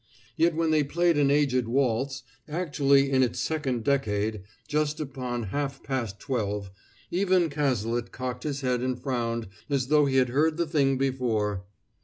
Yet when they played an aged waltz, actually in its second decade, just upon half past twelve, even Cazalet cocked his head and frowned, as though he had heard the thing before.